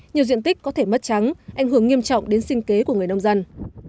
nhiều diện tích có thể mất trắng ảnh hưởng nghiêm trọng đến sinh kế của người nông dân